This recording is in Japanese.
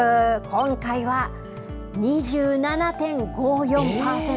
今回は２７．５４％。